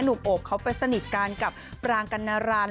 หนุ่มโอบเขาไปสนิทกันกับปรางกันนารัน